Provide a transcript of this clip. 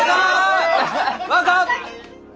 若！